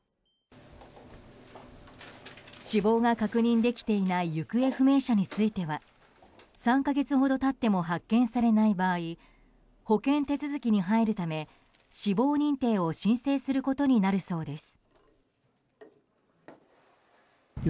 死亡が確認できていない行方不明者については３か月ほど経っても発見されない場合保険手続きに入るため死亡認定を申請することになるそうです。